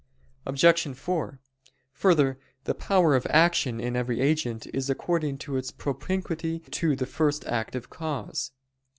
Obj. 4: Further, the power of action in every agent is according to its propinquity to the first active cause.